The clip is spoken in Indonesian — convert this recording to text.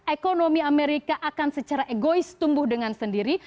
ekonomi amerika akan secara egois tumbuh dengan sendiri